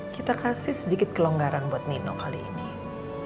kita kasih sedikit kelonggaran buat nino kali ini